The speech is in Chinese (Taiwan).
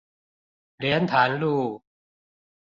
蓮潭路